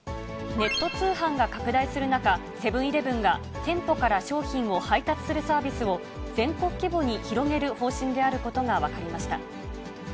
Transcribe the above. ネット通販が拡大する中、セブンーイレブンが、店舗から商品を配達するサービスを、全国規模に広げる方針であることが分かりました。